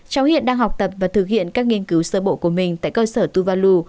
cháu hiện đang học tập và thực hiện các nghiên cứu sơ bộ của mình tại cơ sở tù văn lưu